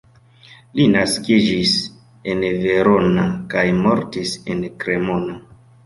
Li naskiĝis en Verona kaj mortis en Cremona.